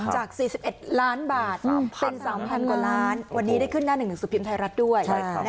จาก๔๑ล้านบาทเป็น๓พันกว่าล้านวันนี้ได้ขึ้นหน้า๑๑สุพิมพ์ไทยรัฐด้วย